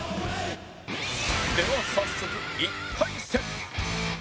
では早速１回戦